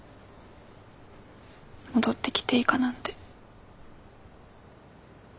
戻ってきていいかなんて。